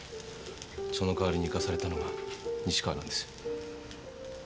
その代わりに行かされたのが西川なんです。